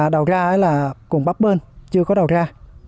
đầu ra là cùng bắp bên chưa có đầu ra